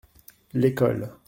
L’école.